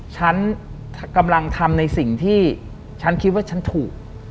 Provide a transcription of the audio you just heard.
ฉันกำลังทำในสิ่งที่ฉันคิดว่าฉันถูก